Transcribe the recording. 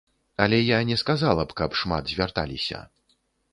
Але я не сказала б, каб шмат звярталіся.